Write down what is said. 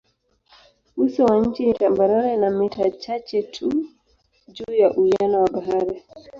Uso wa nchi ni tambarare na mita chache tu juu ya uwiano wa bahari.